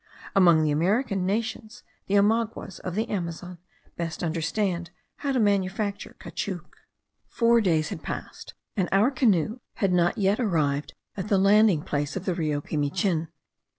Among the American nations, the Omaguas of the Amazon best understand how to manufacture caoutchouc. Four days had passed, and our canoe had not yet arrived at the landing place of the Rio Pimichin.